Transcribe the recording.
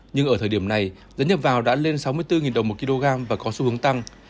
nhưng ở thời điểm này giá nhập vào đã lên sáu mươi bốn đồng một kg và có xu hướng tăng